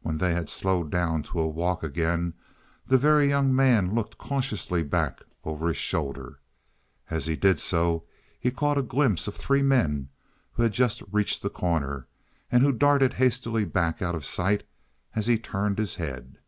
When they had slowed down to a walk again the Very Young Man looked cautiously back over his shoulder. As he did so he caught a glimpse of three men who had just reached the corner, and who darted hastily back out of sight as he turned his head.